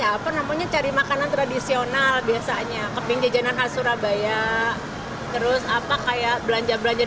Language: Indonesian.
apa namanya cari makanan tradisional biasanya keping jajanan khas surabaya terus apa kayak belanja belanja